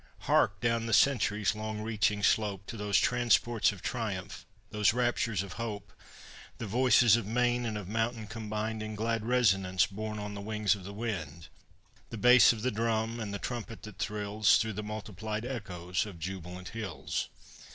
hark! down the century's long reaching slope To those transports of triumph, those raptures of hope, The voices of main and of mountain combined In glad resonance borne on the wings of the wind, The bass of the drum and the trumpet that thrills Through the multiplied echoes of jubilant hills.